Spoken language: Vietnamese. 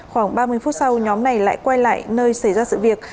khoảng ba mươi phút sau nhóm này lại quay lại nơi xảy ra sự việc